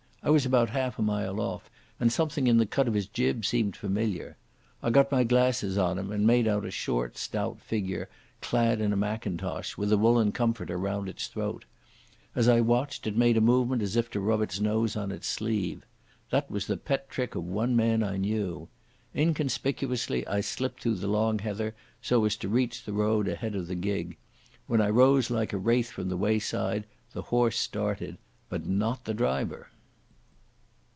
I was about half a mile off, and something in the cut of his jib seemed familiar. I got my glasses on him and made out a short, stout figure clad in a mackintosh, with a woollen comforter round its throat. As I watched, it made a movement as if to rub its nose on its sleeve. That was the pet trick of one man I knew. Inconspicuously I slipped through the long heather so as to reach the road ahead of the gig. When I rose like a wraith from the wayside the horse started, but not the driver.